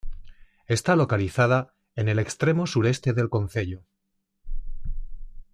Está Localizada en el extremo sureste del concelho.